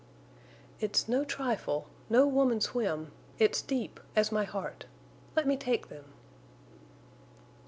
"It's no trifle—no woman's whim—it's deep—as my heart. Let me take them?"